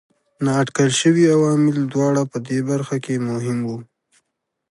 نااټکل شوي عوامل دواړه په دې برخه کې مهم وو.